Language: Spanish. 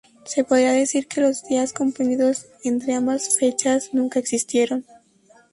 Se podría decir que los días comprendidos entre ambas fechas nunca existieron.